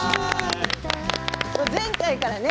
前回からね